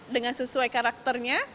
dengan sesuai karakternya